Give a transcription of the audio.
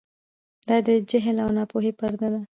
دا د جهل او ناپوهۍ پرده ده.